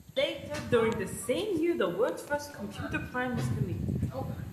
A bit later during the same year the world's first computer crime was committed.